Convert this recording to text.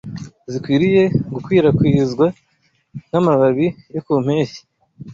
zikwiriye gukwirakwizwa nk’amababi yo ku mpeshyi.